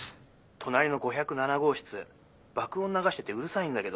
☎隣の５０７号室爆音流しててうるさいんだけど。